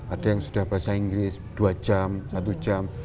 ada yang sudah bahasa inggris dua jam satu jam